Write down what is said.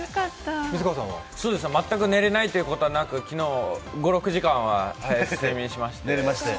全く寝れないということはなく昨日、５６時間は睡眠しました。